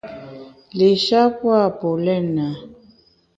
Li-sha pua’ polena.